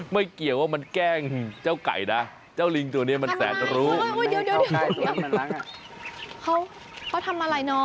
คือเขาทำอะไรน้อง